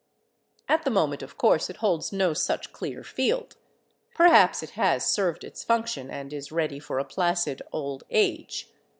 At the moment, of course, it holds no such clear field; perhaps it has served its function and is ready for a placid old age.